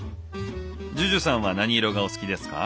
ＪＵＪＵさんは何色がお好きですか？